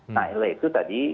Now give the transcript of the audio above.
nah itu tadi